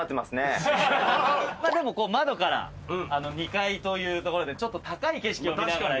でも窓から２階というところでちょっと高い景色を見ながら。